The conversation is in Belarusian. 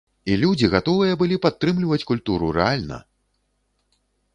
І людзі гатовыя былі падтрымліваць культуру рэальна!